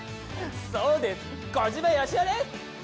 そうです小島よしおです！